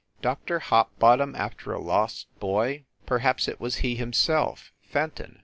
Dr. Hopbottom after a lost boy? Per haps it was he himself, Fenton!